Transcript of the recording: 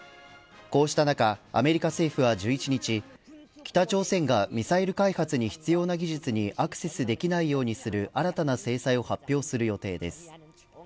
こうした中アメリカ政府は１１日北朝鮮がミサイル開発に必要な技術にアクセスできないようにする新たな制裁を発表する予定です。